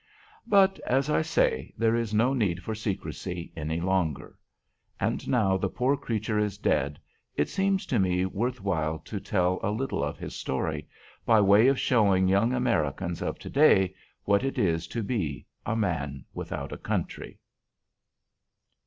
But, as I say, there is no need for secrecy any longer. And now the poor creature is dead, it seems to me worth while to tell a little of his story, by way of showing young Americans of to day what it is to be A MAN WITHOUT A COUNTRY.